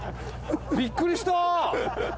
ビックリした！